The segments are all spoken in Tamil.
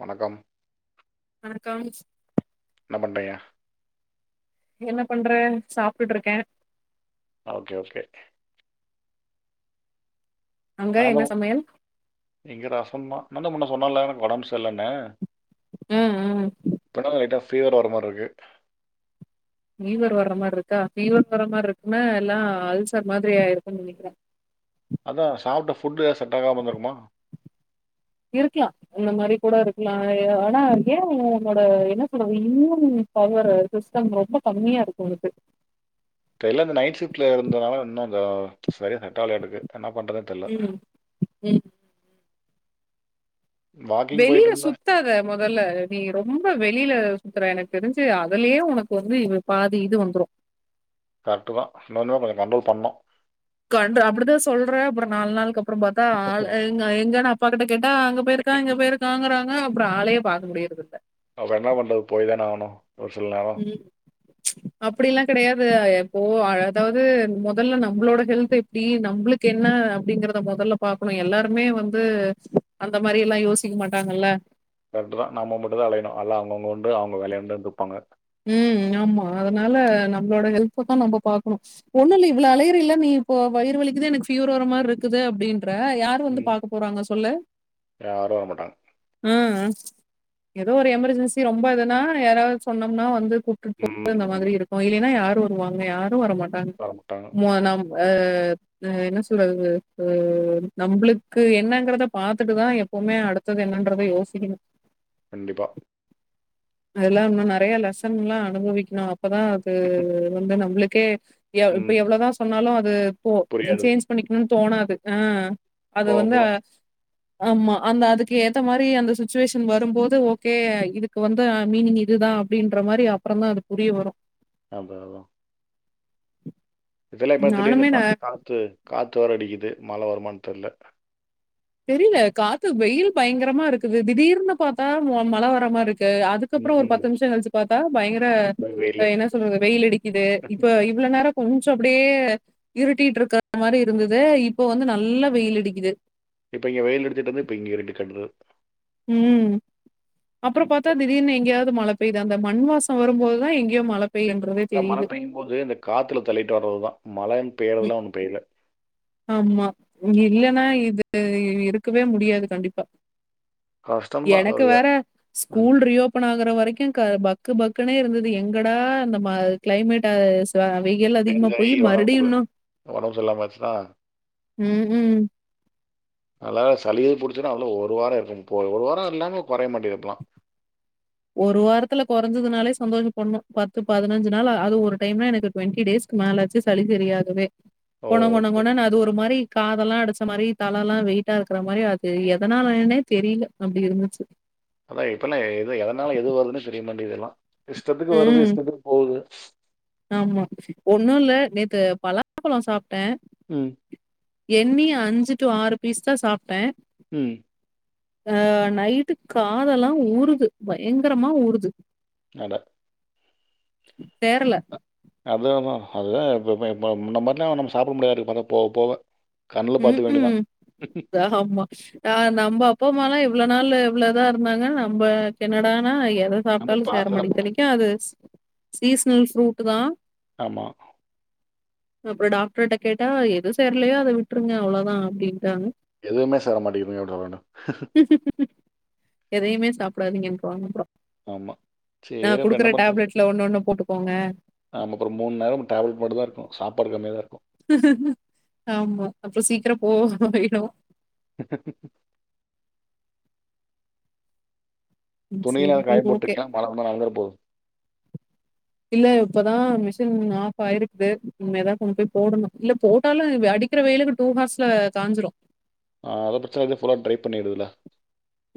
வணக்கம் வணக்கம் என்ன பண்றீங்க என்ன பண்றே சாப்டுட்ருக்கே ஓகே ஓகே அங்க நா தோ என்ன சமையல் இங்க ரசம் தா நாந்தா முன்ன சொன்னல எனக்கு ஒடம்பு சரில்லணு ம் ம் ப்பதா லைட்டா ஃபீவர் வர மாரிருக்கு ஃபீவர் வர மாரி இருக்கா ஃபீவர் வர மாரி இருக்குன்னா எல்லா அல்சர் மாதிரி ஆய்ருக்குனு நெனைக்றே அதா சாப்ட்ட ஃபுட்டு ஏது செட்டாகாம இருந்திருக்குமா இருக்கலா இந்த மாரி கூட இருக்கலா ஆனா ஏன் உன்னோட என்ன சொல்றது இம்யூன் பவர் சிஸ்டம் ரொம்ப கம்மியா இருக்கு உனக்கு எல்லா இந்த நைட் ஷிப்ட்ல இருந்தனால இன்னுந்த சரியா செட் ஆகலயாட்டுக்கு என்ன பண்றதுன் தெர்ல ம் ம் வெளில இருந்தேன். சுத்தாத மொதல நீ ரொம்ப வெளில சுத்ர எனக்கு தெரிஞ்சு அதுலயே உனக்கு வந்து இ பாதி இது வந்துரு கரெக்ட் தா இன்னொமே கொஞ்சம் கண்ட்ரோல் பண்ணு பண்றா அப்டிதா சொல்ற அப்பறோ நால் நாள்க்கப் அப்பறோ பாத்தா ஆள் எங் எங்கனா பாக்கர்தே கேட்டா அங்க போயிருக்கா இங்க போயிருக்காங்கறாங்க அப்பறோ ஆளையே பாக்க முடியறது இல்ல அப்ப என்னா பண்றது போய் தான ஆகனு உம் அப்படி எல்லாம் கிடையாது எப்போவோ அதாவது முதல்ல நம்மளோட ஹெல்த் எப்படி நம்புளுக்கு என்ன அப்படிங்கறத முதல்ல பாக்கணும் எல்லாருமே வந்து அந்த மாதிரி எல்லாம் யோசிக்க மாட்டாங்கல்ல கரக்ட் தான் நம்ம மட்டும் தான் அலையணும் எல்லா அவுங்கவுங்க உண்டு வேலையுண்டுனு இருப்பாங்க ம் ஆமா அதனால நம்மளோட ஹெல்த்த தான் நம்ம பாக்கணும் ஒண்ணும் இல்ல இவ்வளவு அலையறல நீ இப்போ வயிறுவலிக்குது எனக்கு ஃபீவர் வர்ற மாதிரி இருக்குது அப்படின்னு இதெல்லா யாரு வந்து ம். பாக்க போறாங்க சொல்லு யாரும் வரமாட்டாங்க. உம் ம் ஏதோ ஒரு எமர்ஜென்சி ரொம்ப இதுன்னா யாராவது சொன்னா னா வந்து கூப்டுட்டு போற ம். மாதிரி ஆமா. இருக்கும் இல்லைன்னா யார் வருவாங்க யாரும் வரமாட்டங்க வரமாட்டாங்க. மனம் அஹ் என்ன சொல்றதுஹ் நம்பளுக்கு என்னங்கறத பார்த்துட்டுதான் எப்பவுமே [unintelligible] அடுத்தது என்னன்றதை யோசிக்கணும் கண்டிப்பா அதெல்லாம் இன்னும் நிறைய லெசன்லாம் அனுபவிக்கணும் அப்பதான் அது வந்து நம்பளுக் கே யா இப்ப ம். எவ்ளதா சொன்னாலூ அது போ ம் புரியாது. சேஞ்ச் பண்ணிக்கணுன் தோணாது ம் அது போக வந்து போக அ ஆமா அந்த அதுக்கு ஏத்த மாரி அந்த சுச்சுவேஷன் வரும்போது ஓகே இதுக்கு வந்த் து மீனிங் இதுதா அப்டீன்ற மாரி அப்றோந்தா அது புரிய வரூ ஆமா ஆமா இதுலா என்ன திடீர்னு நானுமே கா நான் காத்து காத்து வேற அடிக்கிது மழ வருமானு தெர்ல தெரில காத்து வெயில் பயங்கரமா இருக்குது திடீர்னு பாத்தா [unintelligible] மழ வர மார்ருக் கே அதுக்கப்றோ ஒரு ம் பத்து நிம்ஷோ கழிச்சு பாத்தா பயங்கர வெயில் என்ன சொல்றது வெயில் அடிக்கிது இப்ப இவ்ள நேரோ கொஞ்சோ அப்டியே இருட்டிட்டு இருக்ற மாரி இருந்தது இப்ப வந்து நல்லா வெயில் அடிக்கிது இப்போ இங் வெயில் அடிச்சிட்ருந்தது இங்க இருட்டு கட்டுது உம் அப்றோ பாத்தா திடீர்னு எங்யாது மழ பெய்து அந்த மண் வாசோ வரும் போதுதா எங்கேயோ மழப் எதா மழ பெய்யு போது இந்த காத்தில தள்ளிட்டு வர்றதுதா மழன் பேறதல்லா ஒண்ணு பேய்ல ஆமா இல்லன்னா இது இருக்கவே முடியாது கண்டிப்பா கஷ்டம் தான் எனக்கு வேற ம் ஸ்கூல் ரீயோப்பன் ஆகுற வரைக் கிங் க பக்கு பக்குனே இருந்தது எங்கடா அந்த ம கிளைமேட்டஸ் ப அவைகள் அதிகமா தேங்காய் போய் மறுடியு உடம்பு இன்னு உடம்பு சரியில்லாமல் ஆச்சுன்னா உம் உம் அதா சளியே புடிச்சுன்னா அதுல ஒரு வாரோ இருக்கும்போய் ஒரு வாரோ இல்லாம கொறைய மாட்டேது இப்பல்லா ஒரு வாரத்தில கொறஞ்சதுனாலே சந்தோஷ படணூ பத்து பதினஞ்சு நாள் அது ஒரு டைம்ல எனக்கு டுவெண்ட்டி டேஸ்க்கு மேலாச்சு சளி சரியாகவே கொன கொன ஓகே கொனன்னு அது ஒரு மாரி காதெல்லா அடிச்ச மாரி தலல்லா வெயிட்டா இருக்ற மாரி அது எதனாலனே தெரில அப்டி இருந்துச்சு அதா இப்பல்லா எது எதனால எது வருதுன்னு தெரிய மாட்டேங்து எல்லா உம் ஆமா ஒண்ணுல்ல நேத். க பலாப்பழோ சாப்டே ம் எண்ணி அஞ்சு டூ ஆறு பீஸ் தா சாப்டே உம் ஆ. நைட்டு காதெல்லா ஊருது பயங்கரமா ஊறுது அட தேரல அத்தா அத்தா அதுதா இப்ப பா.. முன்ன மாரில நம்ம சாப்ட முடியாட்டுக்கு பக்க போ போவ உம் ஹும் ஹாமா ஆஹ் நம்ப அப்பாமாலா எவ் இவ்ள நாள்ளு இவ்ளதா இருந்தாங்க நம்பக்கு என்னடானா ஆ எத நம்ம சாப்ட்டாலூ சேர பாத்துல மாடிக்கு இத்தனைக்கு அது ஸ் சீஸ்னல் ஃப்ரூட் தா ஆமா அப்றோ டாக்டர்ட்ட கேட்டா எது சேர்லையோ அத விட் ட்ருங்க அவ்ளதா அப்டின் எதுவுமே சேர மாட்டிகுதுங்க [unintelligible] மேடம் எதயுமே சாப்டாதீங்கன்று வாங்க அப்றோ ஆமா நா சேர் அப்ப என்ன குடுக்குற பண்றத் டேப்லெட்ல ஒண்ணு ஒண்ணு போட்டுக்கோங்க ஆம அப்றோ மூண் நேரமு டேப்லெட் மட்டு தா இருக்கு சாப்பாடு கம்மியா தாருக்கு ஆமா அப்றோ சீக்ரோ போவோணு ஆயிரு ஹா ஹா துணிலா எது சேரி ஓகே காயப்போட்ருக்கியா மழ வந்தா நளஞ்சர போவுது இல்ல இப்பதா மிஷின் ஆஃப் ஆயிருக்குது இன்மேதா கொண்போய் போடணு இல்ல போட்டாலு வ அடிக்கிற வெயிலுக்கு டூ ஹார்ஸ்ல காஞ்சிரு ஆ அத பிரச்ன இத ஃபுல்லா ட்ரை பண்ணிடுதுல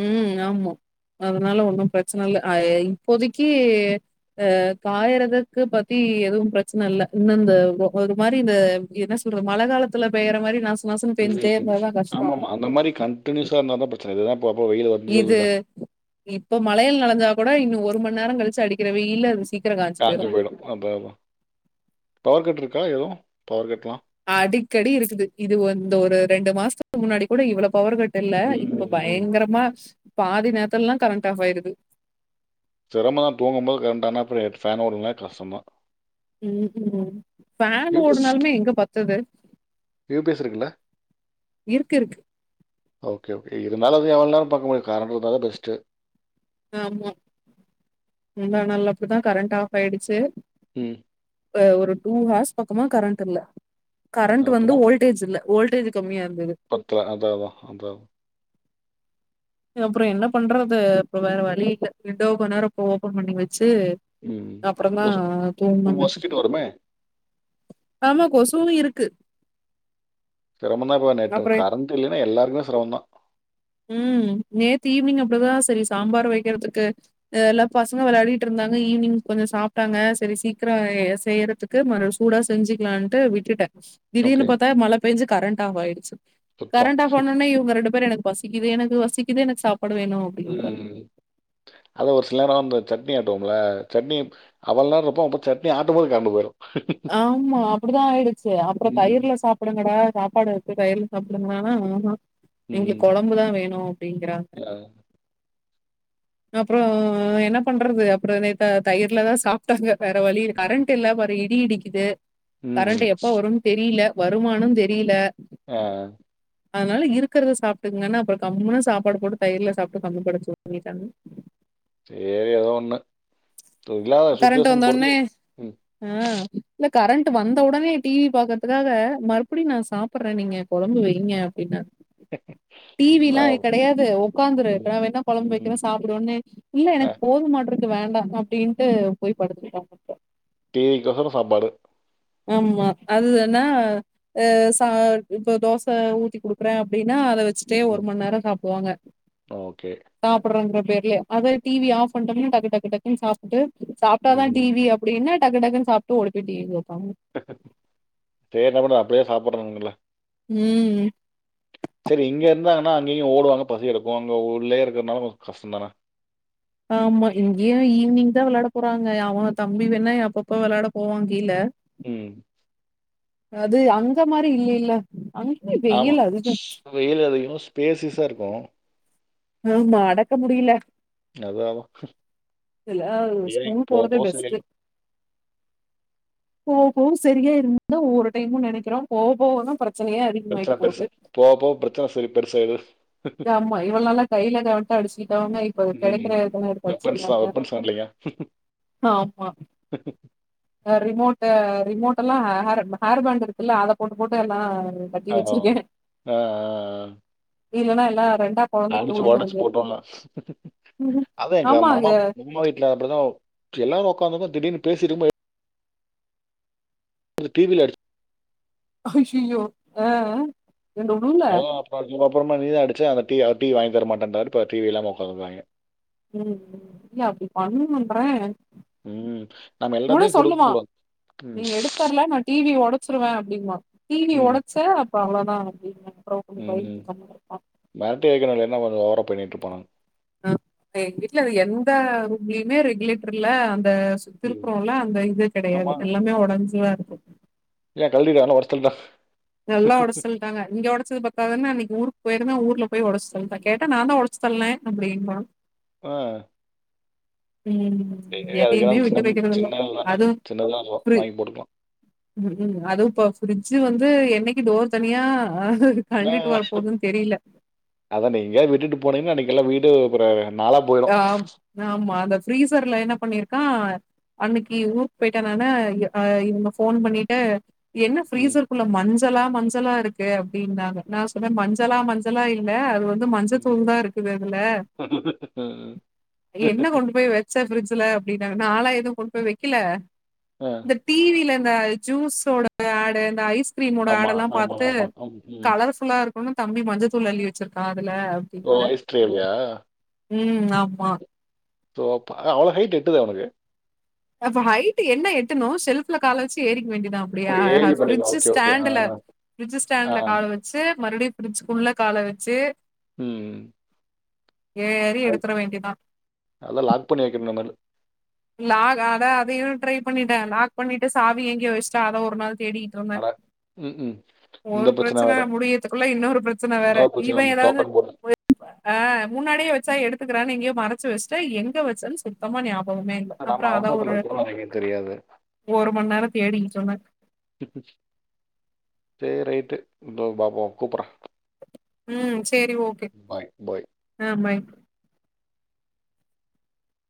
உம் ஆமா அதனால ஒன்னும் பிரச்சன இல்ல அய் இப்போதிக்கி அ காய்றதுக்கு பத்தி எதுவும் பிரச்சன இல்ல இன்னு இந்த ரொ ஒரு மாரி இந்த என்ன சொல்றது மழ காலத்துல பெய்ற மாரி நா ஸ் ஆமா ஆமா அந்த மாரி கண்டினியூஸாருந்தாதா பிரச்சன இல்லன் இது இப்ப மலைல் நளஞ்சா கொட இன்னு ஒரு மன்னேரங் கழிச்சு அடிக் காஞ்சி போய்டு அதாதா பவர் கட்ருக் க எது பவர் கட்லா அடிக்கடி இருக்குது இது வந் இந்த ஒரு ரெண்டு மாசத்துக்கு முன்னாடி கூட இவ்ள பவர் கட் டெல்ல ம். இப்ப ம். பய்ங்கரமா பாதி நேரத்தல்லா கரண்ட் ஆஃப் ஆயிடுது சிரமதா தூங்கும்போது கரண்ட் ஆனா அப்புற எட் ஃபேன் ஓட்லனாவே கஷ்டந்தா உம் ஹு பேன் ஓடுனாலுமே எங்க பத் துது யூ பி எஸ் இருக்குல்ல இருக்கு, இருக்கு. ஓகே ஓகே இருந்தாலு அதய எவ்ள நேர பாக்க முடியு கரண்டு இருந்தாதா பெஸ்டு ஆமா முந்தாநாள் அப்டிதா கரண்ட் ஆஃப் ஆயிடுச்சு ம் அ ஒரு டூ ஹார்ஸ் பக்கமா கரண்ட் இல்ல கரண்ட் வந்து அப்புறம் வோல்டேஜ் இல்ல வோல்டேஜ் கம்மியாருந்தது பத்தல. அதான், அதான், அதான். அப்ற என்ன பண்றது அப்ற வேற வழியில்ல வின்டோவ கொஞ் நேரோ அப் ஓப்பன் பண்ணி வெ ச்சு ம். அப்பறந்தா கொசு தூங்கன்னே மஸ்கிட்டோ வருமே! ஆமா கொசுவு இருக்கு சிரமந்தா இப்ப நெட் அப்புறம் கரண்ட் இல்லினா எல்லார்குமே சிரமந்தா உம் நேத்து ஈவினிங் அப்டிதா செரி சாம்பார வெக்கிறதுக்கு அ எல்லா பசங்க வெளையாடிட்ருந்தாங்க ஈவினிங் கொஞ்ச சாப்ட்டாங்க செரி சீக்ர செய்யறதுக்கு மர சூடா செஞ்சுக்லான்ட்டு விட்டுட்டே ஓகே. திடீர்னு பாத்தா மழ பேஞ்சு கரண்ட் ஆஃப் ஆயிடுச்சு சுத்தம். கரண்ட் ஆஃப் ஆனவொன்னே இவுங்க ரெண்டு பேரு எனக் பசிக்குது எனக்கு வசிக்குது எனக் சாப் உம் அத ஒரு சிலர் வந்து சட்னி ஆட்டவோம்ல சட்னி அவ்வள்நேருப்ப சட்னி ஆட்டும் போது கரண்டு போயிடும் ஆமா அப்படிதா ஆயிடுச்சு அப்பரோ ம். தயிர்ல சாப்பிடுங்கடா சாப்பாடு இருக்கு தயிர்ல சாப்பிடுங்கடா னா ஆஹ இங்க ம். குழம்புதா வேணு அப்படிங்கறாங்க ஆ. அப்ரோ என்ன பண்றது அப்ரோ நேத்த தயிர்லதா சாப்பிட்டாங்க வேற வழி கரண்ட் இல்லா மாரி நீடிக்குது ம், கரண்ட் ம். எப்ப வருனு தெரில வருமானு தெரில ஆஹ் அதனால இருக்கிறத சாப்பிட்டுங்கன்னா அப்ரோ கம்முனு சாப்பாடு போட்டு தயிர்ல சாப்பிட்டு கம்முனு படுத்தூங்கிட்டாங்க சேரி ஏதோ ஒண்ணு இல்லாத கரண்ட் சுச்சுவேஷன் வந்த பொறுத்து ஒனே ம். ஆஹ் கரண்ட் வந்த உடனே டிவி பாக்கறதுக்காக மறுபடியு நா சாப்பிட்ற நீங்க கொழம்பு வைங்க அப்படின்னா டிவில்லா ஆ. கெடையாது உக்காந்துரு ம். நா வேணா குழம்பு வக்கிற ம். சாப்பிடுன்னே இல்ல ஆ. எனக்கு போதுமாட்ருக் து வேண்டா அப்படின் ட்டு போய் படுத்துடாப்ல டீவிகோசர சாப்பாடு ஆமா அதுன்னாஹ் ச இப்ப தோச ஊத்தி குடுக்குற அப்படின்னா ச்சிடே ஒரு ம். மணி நேரோ சாப்பிடுவாங்க ஓகே. சாப்பிடுறங்க பெர்ல அது டிவி ஆஃப் பண்டோம்ன டக்கு டக்கு டக்குனு சாப்ட்டு சாப்ட்டாதா ம். டிவி அப்படின்னா டக்கு டக்குனு சாப்ட்டு ஓடி போய் டீவி பாப்பாங்க சரி [unintelligible] அப்படியாசு சாப்பிட்றங்கல்ல உம் சரி இங்க இருந்தாங்கனா அங்கேயு ஓடுவாங்க பசி எடுக்கு அங்க உள்ளயே இருக்றனால கொஞ்சோ கஷ்ட தானே ஆமா இங்கேயு ஈவினிங் தா விளாட போறாங்க அவ தம்பி வேணா அப்பப்போ விளாட போவா கீழ உம் அது அங்க மாரி இல்லைல ஆமா வெயில் அதிகோ ஸ்பேசிஸா இருக்கு ஆஹ அமா அடக்க முடியல அதாதா இதுல [unintelligible] போவ போவ சரியாயிரும்தா ஒவ்வொரு டைமு நெனக்கிறே போவ போவ தான் கரெக் பிரச்சன பெருசு போவ போவ பிரச்சன சரி பெருசா எது ஆமா இவ்ளநால கைல கால அடிச்சிகிட்டாங்க இப்ப ம் கெடக்கிறதலா எடுத்து வெப்பன்ஸ் அடிச்சிகிறாங்க தான் வெப்பன்ஸ் இல்லைங்க ஆமா ஆ ரிமோட் ஆஆ ரிமோட் எல்லா ஹே ஹேர் ஹேரு பேண்ட் இருக்குல்ல அத போட்டு போட்டு எல்லாம் ஹோஹோ ஆஹ் ஆஹ்ஹ் இல்லனா எல்லா ரெண் அடிச்சி ஒடச்சி போட்டோல அதா எங்க ஆமாங்க மாமா ம்முமா வீட்ல அப்டிதான எல்லாரு உக்காந்திர்ந்தோ திடீர்னு பேசிட்டு [unintelligible] டிவில அடிச் ஹய்யயோ ஆஹ் அத அப்ப அப்புறமா நீ அடிச்சு அதட்டி டீவி வாங்கி தர மாட்டேன்டாறு இப்ப டீவி இல்லாம உக்காந்திர்காங்க உம் எ அப்டி பண்ணுணம்தே ம் நம்ம நீனே எல்லாத்தையும் கொடுக்க சொல்லுமா கூடாது ம் நீங்க எடுத்தர்ல நான் டீவி ஒடச்சிருவே அப்டிங்றா டீவி ஒடச்ச அப்ப அவ்ளோ [unintelligible] உம் உம் [unintelligible] அத வேற [unintelligible] ஆஹ் எ வீட்ல எந்த ரூம்லயுமே ரெகுலேட்டர்ல அ சு ம். திறுக்குறோல அந்த இது கெடயாது ஆமா எல்லாமே உடஞ்சுதான் இருக் ஏன் டெய்லி [unintelligible] ஒடச்டீங்ளா நல்லா ஒடச்சிட்டாங்க இங்க ஒடச்சது பத்தாதுனு அன்னக்கு ஊருக்கு [unintelligible] ஊருல போய் ஒடச் தள்ளிட்டா கேட்ட நான்தா ஒடச்சி தள்ளுனே அப்டிங்றா ஆஹ் உம் எதயுமே நம்ம விட்டு சின்ன வக்கிறதில்ல சின்னது தானே அதுவும் சின்னதாக ஃப்ரி வாங்கி போட்டுக்கலாம் அதுவும் இப்ப ஃப்ரிட்ஞ் வந்து ஏ என்னைக்கு டோர் தனியா கழண்டிட்டு வர போதுன்னு தெரியல அதான் நீங்க விட்டுட்டு போனீங்க அன்னக்கி எல்லா வீடு அப்றோ நாளா போயிறு பிரீசர்ல என்ன பண்ணிருக்கான் அன்னைக்கு ஊக்கு போயிட்டேன் நானு இவங்க போன் பண்ணிட்டு. என்ன ம் பிரீசர்கக்குள்ள மன்னு. துலா மஞ்சா மஞ்சளா இருக்கு அப்படின்னாங்க நான் சொன்னேன் மஞ்சளா மஞ்சளா இல்ல அது வந்து. ம் மஞ்சத்தூள் தான் இருக்குது அதுல. ம். என்ன கொண்டு போய் வெச்ச பிரிட்ஜ்ல. அப்படனாங்க நாளா எதுவும் கொண்டு போய் வைக்கல. ஆ, இந்த டீவில. இந்த ஜூஸோட ஆடு இந்த ஐஸ். கிரீமோட ஆமா ஆடெல்லாம் ஆமா பார்த்துட்டு ஆமா ம் ம். கலர்ஃபுல்லா இருக்கு. இம் தம்பி மஞ்ச தூள்ளல்லிவச்சிருக்கா. ஓ ஐஸ்டிரேலியா ம் ஆமா சோ அப் அவ்வளவு ஹைட் எட்டுது அவனுக்கு. அப்ப ஹைட் என்ன எட்டணும் ஷெல்ப்ல கால வச்டு ஏரிக் வேண்டிதான் ஓ அப்டியா ஏஐல பண்ணிக்கலாம். Fridge okay, okay. ஆ, ஸ்டாண்ட்ல பிர்ஜ் ஆ. ஸ்டாண்ட்ல கால வச்சு மறுபடி பிரிஜ்க்குள்ள கால வச்சு ம் ஏறி அ எடுத்துற வேண்டியதான். அதா லாக் பண்ணி வைக்கனு இனமேலு லாக் அத அதையும் ட்ரை பண்ணிட்டேன் லாக் பண்ணிட்டு சாவி எங்கயோ வச்சிட்ட அத ஒரு நாள் தேடிட்டு இருந்தேன் அட! ம்ஹ்ம். இந்த ஒரு பிரச்சனை பிரச்சன வேற. முடியறதுக்குள்ள இன்னொரு பிரச்சன வேற இன்னொரு பிரச்சனை இவன் வந்து ஏதாவது டோக்கன் போட்ல. [unintelligible] அ முன்னாடியே வச்சா எடுத்து க்கிறான்னு எங்கே மறச்சு வச்சுட்ட எங்க வச்சனு சுத்தமா ஞாபகம் அப்பவுமே இல்ல நம்ம அப்புறம் அத அவசரத்துல ஒரு இருக்கோம்னு எனக்கு தெரியாது. ஒரு மணி நேரம் தேடி சொன்னக் சரி ரைட்டு இப்ப பாப்போம் கூப்புடுற. ம் ச் சேரி ஓகே பாய். ஆ பாய்